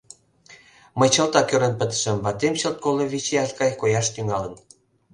Мый чылтак ӧрын пытышым: ватем чылт коло вич ияш гай кояш тӱҥалын.